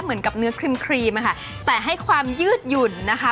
เหมือนกับเนื้อครีมอะค่ะแต่ให้ความยืดหยุ่นนะคะ